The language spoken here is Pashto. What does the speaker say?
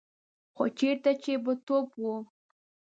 خو چېرته چې به توپ و.